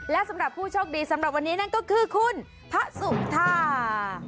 และสำหรับผู้โชคดีสำหรับวันนี้นั่นก็คือคุณพระสุธา